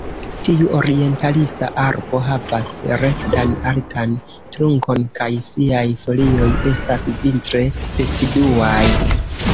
Tiu orientalisa arbo havas rektan altan trunkon kaj siaj folioj estas vintre deciduaj.